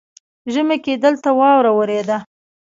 ژمي کې دلته واوره ورېده